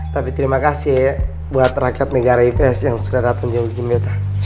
tapi terima kasih buat rakyat negara ips yang sudah datang jemput gini betta